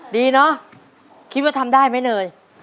ดีเนอะคิดว่าทำได้ไหมเนย